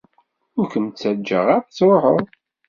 ur kem-ttaǧǧaɣ ara ad truḥeḍ.